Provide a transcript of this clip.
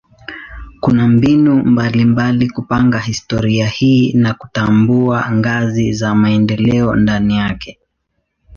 Kuna mbinu mbalimbali kupanga historia hii na kutambua ngazi za maendeleo ndani yake.